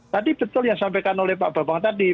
tadi betul yang sampaikan oleh pak bapak tadi